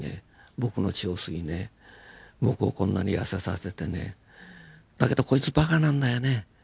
僕の血を吸いね僕をこんなに痩せさせてねだけどこいつバカなんだよね。